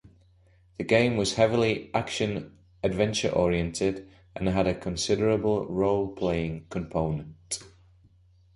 The game was heavily action-adventure oriented and had a considerable role playing component.